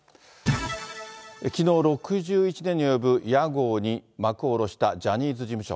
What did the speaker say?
きのう、６１年に及ぶ屋号に幕を下ろしたジャニーズ事務所。